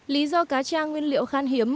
lý do cá cha nguyên liệu khan hiếm